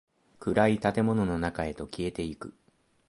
暗い建物の中へと消えていく。